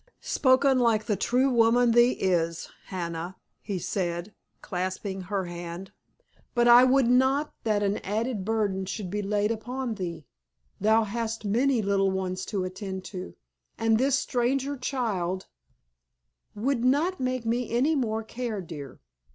"Spoken like the true woman thee is, Hannah," he said, clasping her hand. "But I would not that an added burden should be laid upon thee. Thou hast many little ones to attend to, and this stranger child——" "—Would not make me any more care, dear.